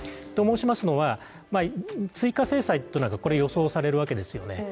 と申しますのは、追加制裁が予想されるわけですよね。